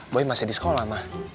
boy masih di sekolah mah